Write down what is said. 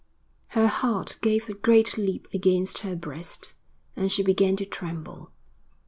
Her heart gave a great leap against her breast, and she began to tremble.